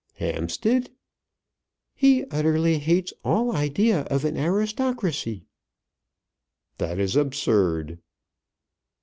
"Hampstead?" "He utterly hates all idea of an aristocracy." "That is absurd."